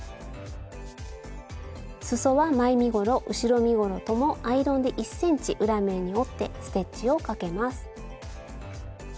すそは前身ごろ後ろ身ごろともアイロンで１ｃｍ裏面に折ってステッチをかけます。